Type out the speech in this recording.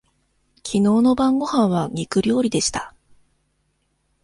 きのうの晩ごはんは肉料理でした。